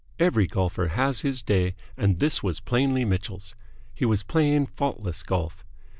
Every golfer has his day, and this was plainly Mitchell's. He was playing faultless golf.